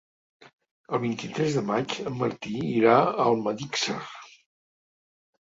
El vint-i-tres de maig en Martí irà a Almedíxer.